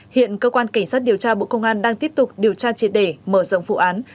hiện cơ quan cảnh sát điều tra bộ công an đang tiếp tục điều tra triệt đề mở rộng vụ án